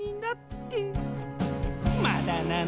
「まだなの？